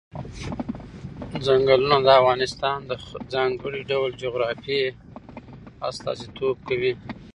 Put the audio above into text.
ځنګلونه د افغانستان د ځانګړي ډول جغرافیه استازیتوب کوي.